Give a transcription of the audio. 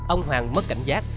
ông hoàng mất cảnh giác